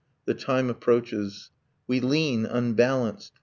The time approaches. We lean unbalanced.